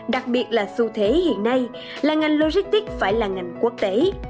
đặc biệt là xu thế hiện nay là ngành logistics phải là ngành quốc tế